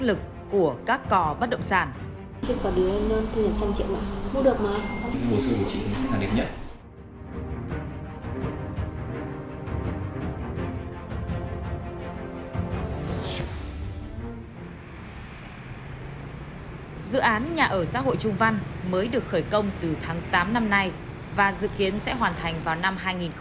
dự án nhà ở xã hội trung văn mới được khởi công từ tháng tám năm nay và dự kiến sẽ hoàn thành vào năm hai nghìn hai mươi bốn